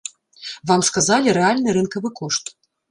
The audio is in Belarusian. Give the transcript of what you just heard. Вам сказалі рэальны рынкавы кошт.